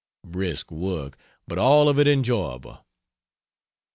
Brisk work, but all of it enjoyable.